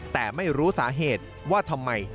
แต่ไม่รู้สาเหตุว่าทำไม